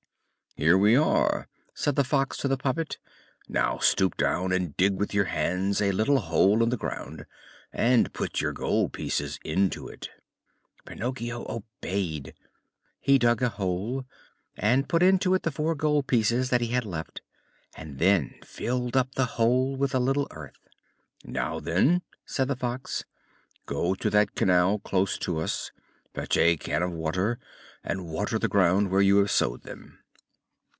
"Here we are," said the Fox to the puppet. "Now stoop down and dig with your hands a little hole in the ground and put your gold pieces into it." Pinocchio obeyed. He dug a hole, put into it the four gold pieces that he had left, and then filled up the hole with a little earth. "Now, then," said the Fox, "go to that canal close to us, fetch a can of water, and water the ground where you have sowed them."